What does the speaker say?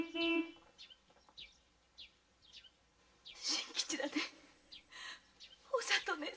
真吉だね。